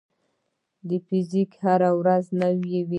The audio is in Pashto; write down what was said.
د فزیک هره ورځ نوې ده.